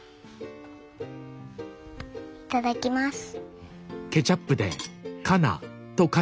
いただきます。